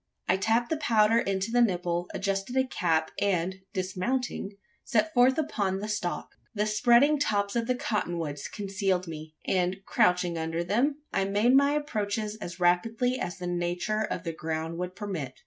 I tapped the powder into the nipple; adjusted a cap; and, dismounting, set forth upon the stalk. The spreading tops of the cotton woods concealed me; and, crouching under them, I made my approaches as rapidly as the nature of the ground would permit.